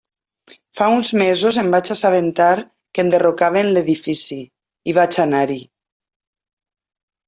Fa uns mesos em vaig assabentar que enderrocaven l'edifici i vaig anar-hi.